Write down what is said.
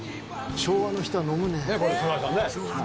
「昭和の人は飲むね」